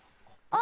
あ！